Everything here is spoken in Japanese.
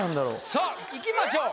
さあいきましょう。